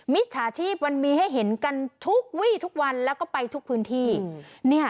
มิจฉาชีพมันมีให้เห็นกันทุกวี่ทุกวันแล้วก็ไปทุกพื้นที่